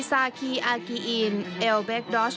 ซาคีอากิอินเอลเบคดอส